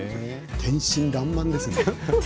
天真らんまんですね。